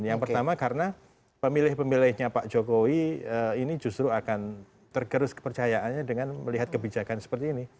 yang pertama karena pemilih pemilihnya pak jokowi ini justru akan tergerus kepercayaannya dengan melihat kebijakan seperti ini